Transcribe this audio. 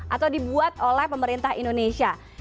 atau dibuat oleh pemerintah indonesia